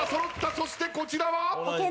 そしてこちらは？